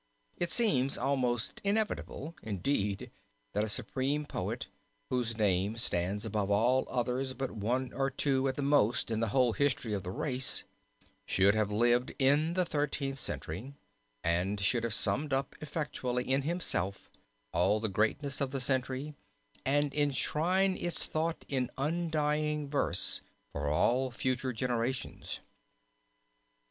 It seems almost inevitable indeed that a supreme poet, whose name stands above all others but one or two at the most in the whole history of the race, should have lived in the Thirteenth Century, and should have summed up effectually in himself all the greatness of the century and enshrined its thoughts in undying verse for all future generations.